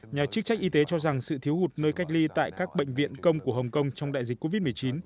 nhà chức trách y tế cho rằng sự thiếu hụt nơi cách ly tại các bệnh viện công của hồng kông trong đại dịch covid một mươi chín